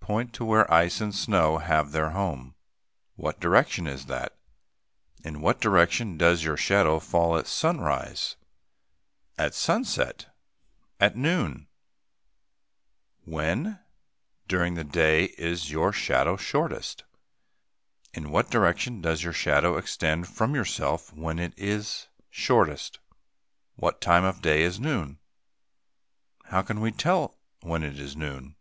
Point to where ice and snow have their home. What direction is that? In what direction does your shadow fall at sunrise? At sunset? At noon? When, during the day, is your shadow shortest? [Illustration: "IN WHAT DIRECTION DOES YOUR SHADOW FALL?"] In what direction does your shadow extend from yourself when it is shortest? What time of day is noon? How can we tell when it is noon?